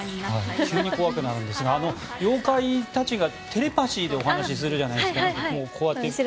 急に怖くなるんですが妖怪たちがテレパシーでお話しするじゃないですか。